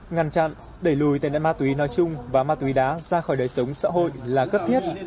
ngăn chặn đẩy lùi tên đại ma tươi nói chung và ma tươi đá ra khỏi đời sống xã hội là cấp thiết